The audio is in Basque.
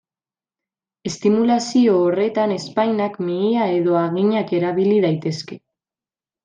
Estimulazio horretan ezpainak, mihia edo haginak erabili daitezke.